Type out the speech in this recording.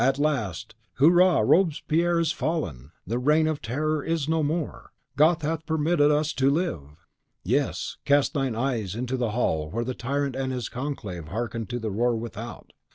at last, "Hurrah! Robespierre is fallen! The Reign of Terror is no more! God hath permitted us to live!" Yes; cast thine eyes into the hall where the tyrant and his conclave hearkened to the roar without!